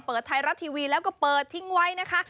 เปิดไทยรัฐทีวีแล้วก็เปิดทิ้งไว้นะคะ